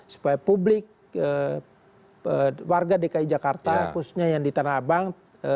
supaya publik warga dki jakarta khususnya yang di tanah abang